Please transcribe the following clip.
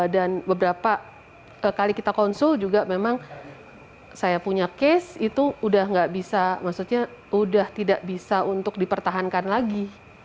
dan beberapa kali kita konsul juga memang saya punya case itu udah tidak bisa untuk dipertahankan lagi